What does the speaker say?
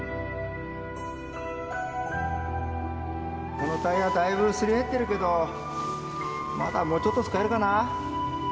このタイヤだいぶすり減ってるけどまだもうちょっと使えるかな。